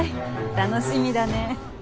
楽しみだね。